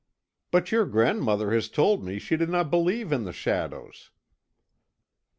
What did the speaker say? "But your grandmother has told me she did not believe in the shadows."